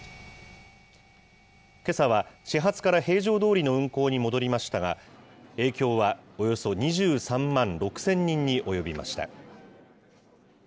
けさは、始発から平常どおりの運行に戻りましたが、影響はおよそ２３万６０００人に及びました。